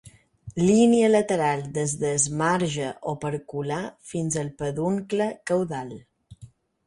Línia lateral des del marge opercular fins al peduncle caudal.